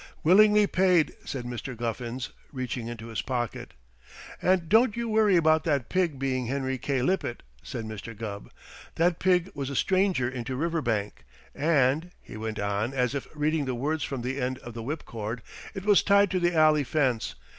"Willingly paid," said Mr. Guffins, reaching into his pocket. "And don't you worry about that pig being Henry K. Lippett," said Mr. Gubb. "That pig was a stranger into Riverbank. And," he went on, as if reading the words from the end of the whipcord, "it was tied to the alley fence.